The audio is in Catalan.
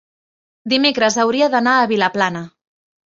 dimecres hauria d'anar a Vilaplana.